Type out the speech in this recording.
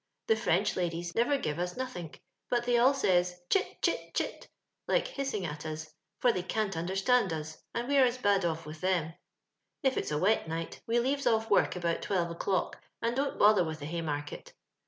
The French lamss never give us nothizik, but they all says, *Ch]t, chit, chit,' like hissing at us, fi>r they cta\ understand us, and we're as bad off with theoL " If it's a wet night we leaves off work abont twelve o'clock, and don't bother with the Hij market.